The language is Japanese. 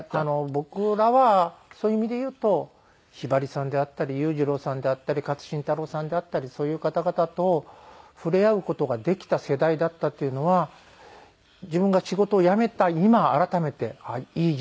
僕らはそういう意味でいうとひばりさんであったり裕次郎さんであったり勝新太郎さんであったりそういう方々と触れ合う事ができた世代だったっていうのは自分が仕事を辞めた今改めていい時代だったなと思います。